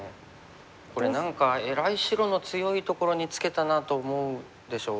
これ何かえらい白の強いところにツケたなと思うでしょ？